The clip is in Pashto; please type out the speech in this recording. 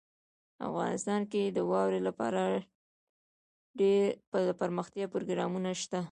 افغانستان کې د واوره لپاره دپرمختیا پروګرامونه شته.